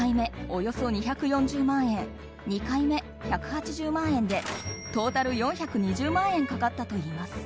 およそ２４０万円２回目１８０万円でトータル４２０万円かかったといいます。